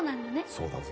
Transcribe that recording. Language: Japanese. そうだぞ